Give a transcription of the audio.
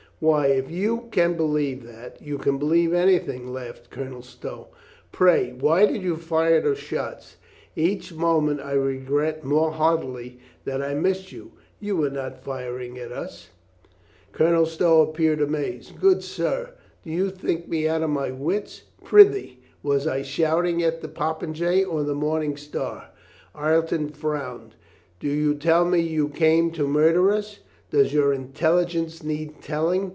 "Why, if you can believe that, you can believe anything," laughed Colonel Stow. "Pray, why did you fire those shots?" "Each moment I regret more heartily that I missed you." "You were not firing at us." COLONEL STOW IS READY 403 Colonel Stow appeared amazed. "Good sir, do you think me out of my wits ? Prithee, was I shoot ing at the popinjay or the morning star?" Ireton frowned. "Do you tell me you came to murder us?" "Does your intelligence need telling?"